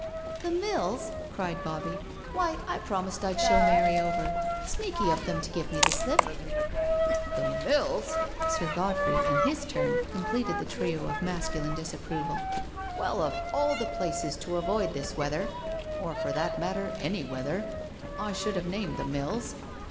" The mills I " cried Bobbie. " Why I promised I'd show Mary over I Sneaky of them to give me the slip "" The mills I '* Sir Godfrey in his turn completed the trio of masculine disapproval. " Well, of all places to avoid this weather, or for that matter any weather, I should have named the mills.